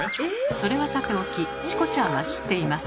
それはさておきチコちゃんは知っています。